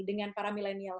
dengan para milenial